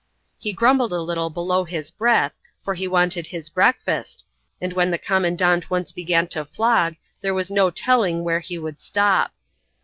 He grumbled a little below his breath, for he wanted his breakfast, and when the Commandant once began to flog there was no telling where he would stop.